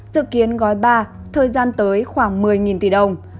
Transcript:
dự kiến gói ba thời gian tới khoảng một mươi tỷ đồng